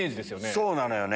そうなのよね。